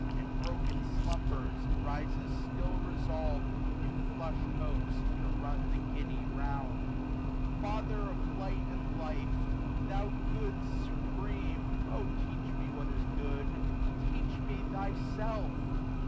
And broken slumbers, rises still resolv'd, 215 With new flush'd hopes, to run the giddy round. Father of light and life, thou Good supreme 1 O teach me what is good ! teach me Thyself